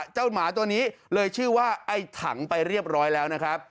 เจ้าหมาตัวนี้เลยชื่อว่าไอ้ถังไปเรียบร้อยแล้วนะครับ